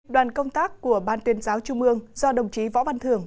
đoàn công tác của ban tuyên giáo trung ương do đồng chí võ văn thường